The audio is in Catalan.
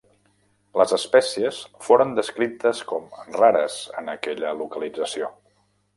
Les espècies foren descrites com rares en aquella localització.